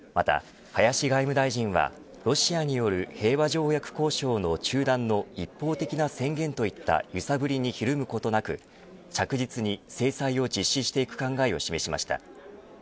また、林外務大臣はロシアによる平和条約交渉の中断の一方的な宣言といった揺さぶりにひるむことなく着実に制裁を実施していく考えを示しました。